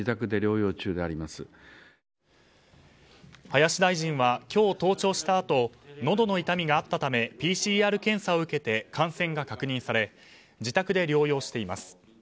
林大臣は今日登庁したあとのどの痛みがあったためＰＣＲ検査を受けて感染が確認され自宅で療養しています。